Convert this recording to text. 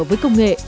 với công nghệ